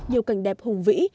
nhiều cảnh đẹp hùng vĩ